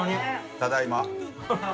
ただいま。